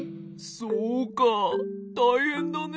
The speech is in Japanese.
そうかたいへんだね。